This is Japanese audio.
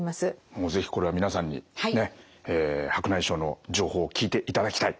もう是非これは皆さんにねっ白内障の情報聞いていただきたい！